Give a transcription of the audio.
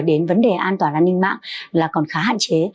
đến vấn đề an toàn an ninh mạng là còn khá hạn chế